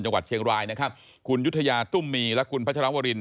จังหวัดเชียงรายนะครับคุณยุธยาตุ้มมีและคุณพัชรวริน